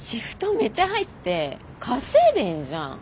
めちゃ入って稼いでんじゃん。